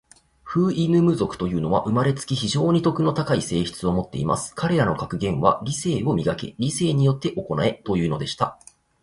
フウイヌム族というのは、生れつき、非常に徳の高い性質を持っています。彼等の格言は、『理性を磨け。理性によって行え。』というのでした。